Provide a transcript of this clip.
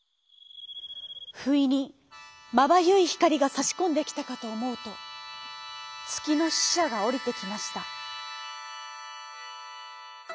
ふいにまばゆいひかりがさしこんできたかとおもうとつきのししゃがおりてきました。